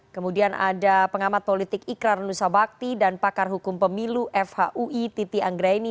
kemudian ada pengamat politik ikrar nusabakti dan pakar hukum pemilu fhui titi anggreni